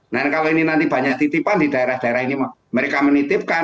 nah kalau ini nanti banyak titipan di daerah daerah ini mereka menitipkan